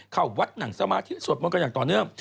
เขาวัดหนังสมาธิสวทอย่างต่อเนื่อง